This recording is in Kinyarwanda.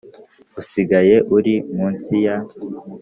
usigaye uri munsi ya